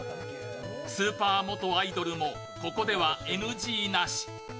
スーパー元アイドルもここではＮＧなし。